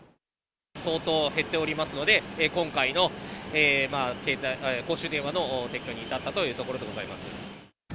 相当減っておりますので、今回の公衆電話の撤去に至ったというところでございます。